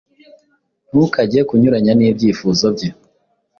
Ntukajye kunyuranya nibyifuzo bye